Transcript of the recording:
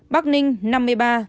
bắc ninh năm mươi ba